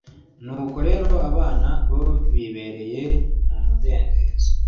nuko rero abana bo bibereye mu mudendezo